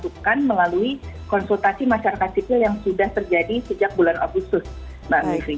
dan juga kita dapatkan melalui konsultasi masyarakat sipil yang sudah terjadi sejak bulan agustus mbak miefri